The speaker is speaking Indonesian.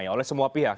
ya oleh semua pihak